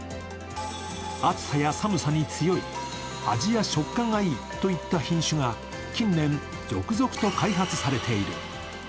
暑さや寒さに強い、味や食感がいいといった品種が近年、続々と開発されている。